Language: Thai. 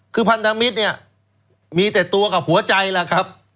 คือพันธมิตรเนี่ยมีแต่ตัวกับหัวใจล่ะครับ